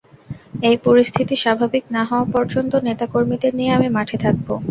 এই পরিস্থিতি স্বাভাবিক না হওয়া পর্যন্ত নেতা কর্মীদের নিয়ে আমি মাঠে থাকব।